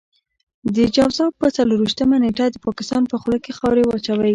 د جوزا په څلور وېشتمه نېټه د پاکستان په خوله کې خاورې واچوئ.